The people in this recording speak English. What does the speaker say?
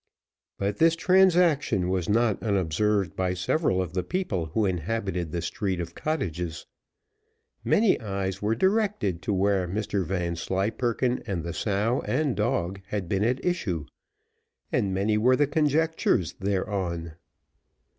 But this transaction was not unobserved by several of the people who inhabited the street of cottages. Many eyes were directed to where Mr Vanslyperken and the sow and dog had been at issue, and many were the conjectures thereon.